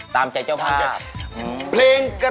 ตามใจเจ้าภาพครับ